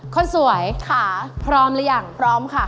คนสวยค่ะพร้อมหรือยังพร้อมค่ะ